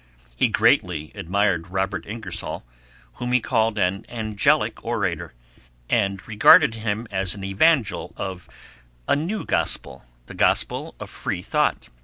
He greatly admired Robert Ingersoll, whom he called an angelic orator, and regarded as an evangel of a new gospel the gospel of free thought.